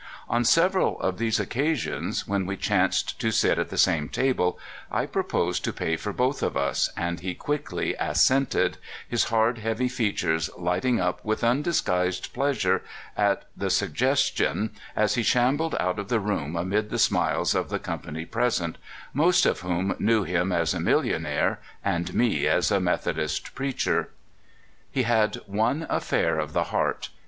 On several of these occasions, when we chanced to sit at the same table, I proposed to pay for both of us, and he quickly assented, his hard, heavy features lighting up with undisguised pleasure at the sug gestion, as he shambled out of the room amid the smiles of the company present, most of whom knew him as a millionaire, and me as a Methodist preacher. He had one affair of the heart.